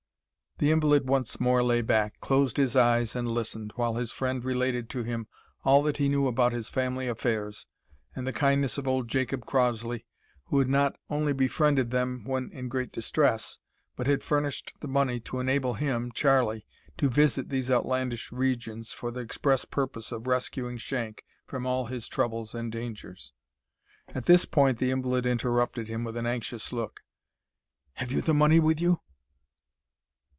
The invalid once more lay back, closed his eyes and listened, while his friend related to him all that he knew about his family affairs, and the kindness of old Jacob Crossley, who had not only befriended them when in great distress, but had furnished the money to enable him, Charlie, to visit these outlandish regions for the express purpose of rescuing Shank from all his troubles and dangers. At this point the invalid interrupted him with an anxious look. "Have you the money with you?"